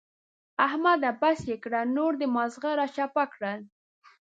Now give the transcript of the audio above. احمده! بس يې کړه نور دې ماغزه را چپه کړل.